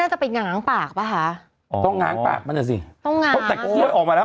เอามากลัวเลยอ่ะ